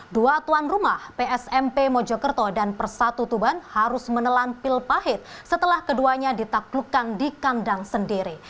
dua tuan rumah psmp mojokerto dan persatu tuban harus menelan pil pahit setelah keduanya ditaklukkan di kandang sendiri